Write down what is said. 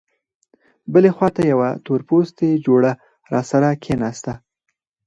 بلې خوا ته یوه تورپوستې جوړه راسره کېناسته.